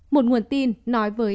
một nguồn tin nói với